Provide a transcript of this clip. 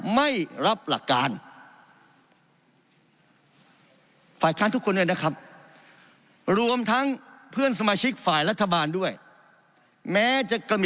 ไม่รับหลักการฝ่ายค้านทุกคนด้วยนะครับ